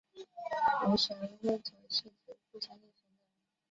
无神论者是指不相信神的人。